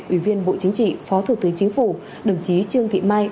ủy viên bộ chính trị phó thủ tướng chính phủ đồng chí trương thị mai